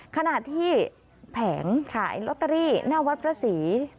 ขณะที่แผงขายลอตเตอรี่หน้าวัดพระศรี